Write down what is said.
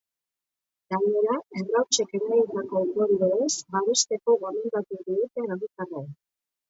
Gainera, errautsek eragindako ondorioez babesteko gomendatu diete herritarrei.